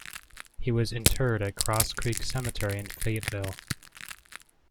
He was interred at Cross Creek Cemetery in Fayetteville.